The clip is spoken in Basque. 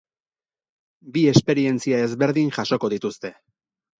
Bi esperientzia ezberdin jasoko dituzte.